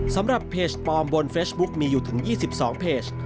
สำหรับเพจปลอมบนเฟซบุ๊คมีอยู่ถึง๒๒เพจ